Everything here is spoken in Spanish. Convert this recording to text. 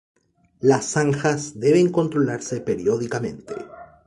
Las zanjas deben controlarse periódicamente.